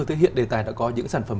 thế hiện đề tài đã có những sản phẩm